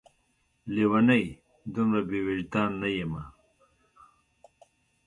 لېونۍ! دومره بې وجدان نه یمه